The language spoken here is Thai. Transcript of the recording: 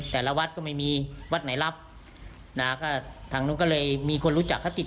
แต่ละวัดก็ไม่มีวัดไหนรับนะก็ทางนู้นก็เลยมีคนรู้จักเขาติด